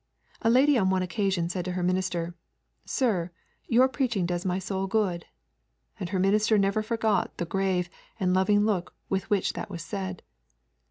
A lady on one occasion said to her minister, 'Sir, your preaching does my soul good.' And her minister never forgot the grave and loving look with which that was said.